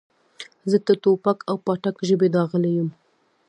زه د ټوپک او پاټک ژبې داغلی یم.